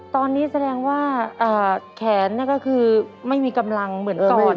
ตอนนี้แสดงว่าแขนก็คือไม่มีกำลังเหมือนก่อน